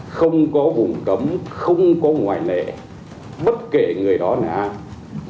không có vùng cấm không có ngoại nệ bất kể người đó nào